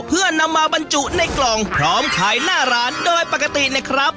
เพื่อนำมาบรรจุในกล่องพร้อมขายหน้าร้านโดยปกตินะครับ